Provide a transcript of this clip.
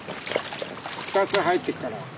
２つ入ってっから。